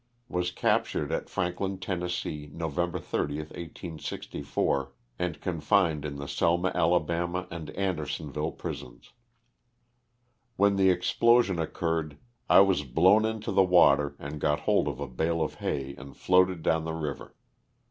Was captured at Franklin, Tenn., November 30, 1864, and confined in the Selma, Ala., and Andersonville prisons. When the explosion occurred I was blown into the water and got hold of a bale of hay and floated down the river.